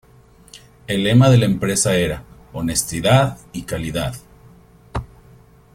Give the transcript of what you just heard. El lema de la empresa era "Honestidad y Calidad".